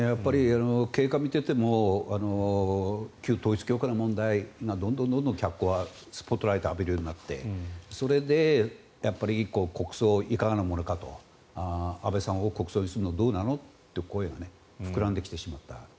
経過を見ていても旧統一教会の問題がどんどん脚光、スポットライトを浴びるようになってそれで国葬いかがなものかと安倍さんを国葬にするのはどうなの？という声が膨らんできてしまった。